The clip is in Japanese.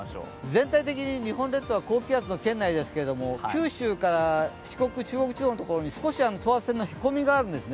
全体的に日本列島は高気圧の圏内ですけれども、九州から四国・中国地方のところに少し等圧線のへこみがあるんです。